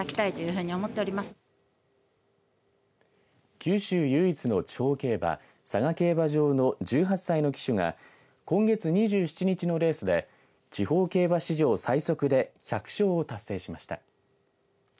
九州唯一の地方競馬佐賀競馬場の１８歳の騎手が今月２７日のレースで地方競馬史上最速で１００勝を達成しました。